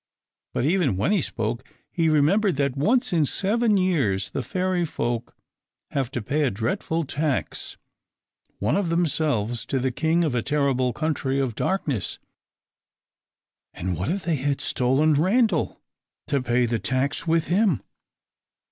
But, even when he spoke, he remembered that, once in seven years, the fairy folk have to pay a dreadful tax, one of themselves, to the King of a terrible country of Darkness; and what if they had stolen Randal, to pay the tax with _him!